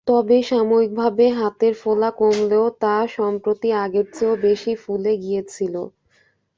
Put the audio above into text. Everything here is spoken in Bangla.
তবে সাময়িকভাবে হাতের ফোলা কমলেও তা সম্প্রতি আগের চেয়েও বেশি ফুলে গিয়েছিল।